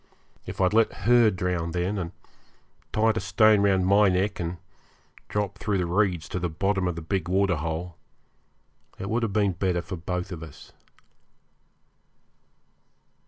If I'd let her drown then, and tied a stone round my neck and dropped through the reeds to the bottom of the big waterhole, it would have been better for both of us.